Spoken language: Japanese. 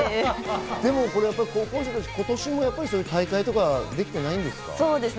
でもこれ、高校生が今年も大会とかできてないんですか？